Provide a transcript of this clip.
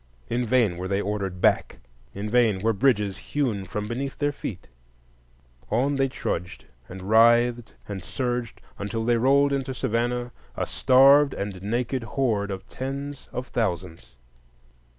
In vain were they ordered back, in vain were bridges hewn from beneath their feet; on they trudged and writhed and surged, until they rolled into Savannah, a starved and naked horde of tens of thousands.